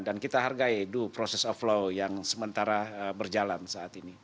dan kita hargai proses of law yang sementara berjalan saat ini